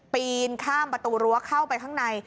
ปีนข้ามประตูรั้วเข้าไปข้างใน